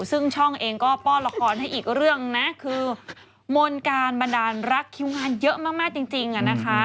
ซึ่งช่องเองก็ป้อนละครให้อีกเรื่องนะคือมนต์การบันดาลรักคิวงานเยอะมากจริงอะนะคะ